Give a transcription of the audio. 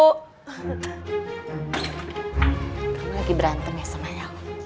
kamu lagi berantem ya sama el